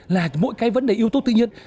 là mỗi cái vấn đề yếu tố tự nhiên